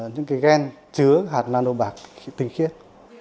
những cái gen chứa hạt nano bạc tinh khiết